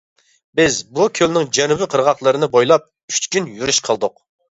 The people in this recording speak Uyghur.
بىز بۇ كۆلنىڭ جەنۇبى قىرغاقلىرىنى بويلاپ ئۈچ كۈن يۈرۈش قىلدۇق.